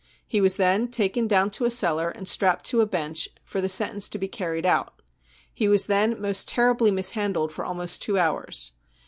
He wa# then taken down to a cellar and strapped to a bench for the sentence to be carried out. He was then most terribly mishandled for almost two hours.